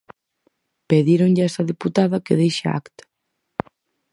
Pedíronlle a esa deputada que deixe a acta.